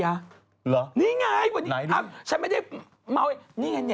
ก็มีคนรู้จักเยอะเวลาให้ลั่วให้